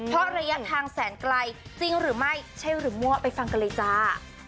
เพราะระยะทางแสนไกลจริงหรือไม่ใช่หรือมั่วไปฟังกันเลยจ้า